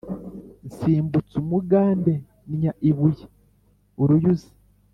Nsimbutse umugande nnya ibuye-Uruyuzi.